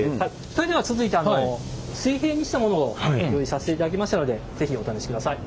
それでは続いて水平にしたものを用意させていただきましたので是非お試しください。